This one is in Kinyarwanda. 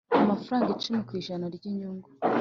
Amafaranga icumi ku ijana ry inyugu